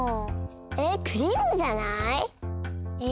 えクリームじゃない？え？